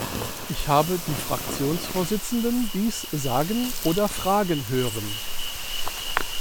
Ich habe die Fraktionsvorsitzenden dies sagen oder fragen hören.